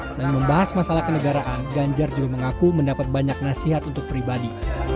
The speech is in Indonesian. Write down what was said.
selain membahas masalah kenegaraan ganjar juga mengaku mendapat banyak nasihat untuk pribadi